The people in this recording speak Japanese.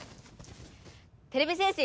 てれび戦士！